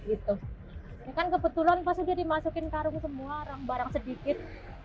ini kan kebetulan pas udah dimasukin karung semua orang barang sedikit